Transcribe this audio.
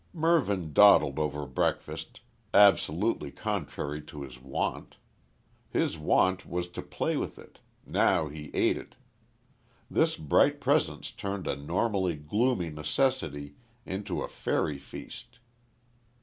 Mervyn dawdled over breakfast, absolutely contrary to his wont. His wont was to play with it; now he ate it. This bright presence turned a normally gloomy necessity into a fairy feast.